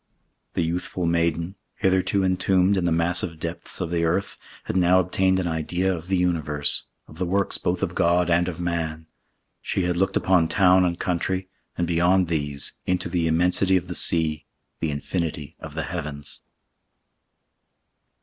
The youthful maiden, hitherto entombed in the massive depths of the earth, had now obtained an idea of the universe—of the works both of God and of man. She had looked upon town and country, and beyond these, into the immensity of the sea, the infinity of the heavens.